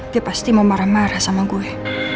dia pasti mau marah marah sama gue